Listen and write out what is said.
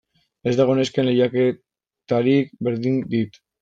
Ez dago nesken lehiaketarik, berdin dit.